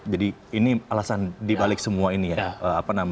jadi ini alasan dibalik semua ini ya